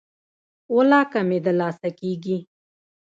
ولاکه مې د لاسه کیږي.